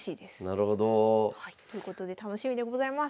なるほど。ということで楽しみでございます。